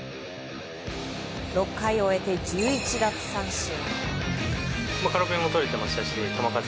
６回を終えて１１奪三振。